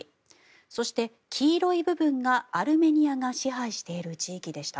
そして、黄色い部分がアルメニアが支配している地域でした。